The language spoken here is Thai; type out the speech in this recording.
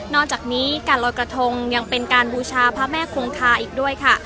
จากนี้การลอยกระทงยังเป็นการบูชาพระแม่คงคาอีกด้วยค่ะ